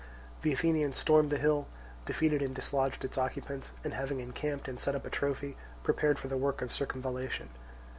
The Athenians stormed the hill, defeated and dislodged its occupants, and, having encamped and set up a trophy, prepared for the work of circumvallation.